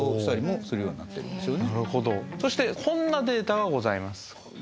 そしてこんなデータがございます。